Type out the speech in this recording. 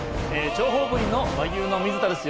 諜報部員の和牛の水田です。